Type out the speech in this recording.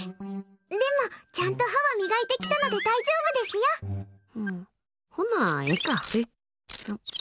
でも、ちゃんと歯は磨いてきたので大丈夫ですよ。え。